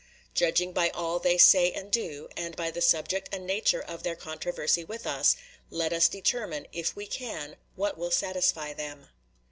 Judging by all they say and do, and by the subject and nature of their controversy with us, let us determine, if we can, what will satisfy them.